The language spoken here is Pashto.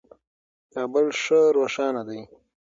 کابل ښه روښانه دی.